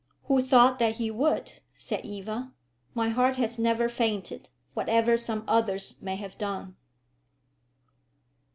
"Who thought that he would?" said Eva. "My heart has never fainted, whatever some others may have done."